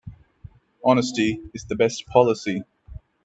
Honesty is the best policy.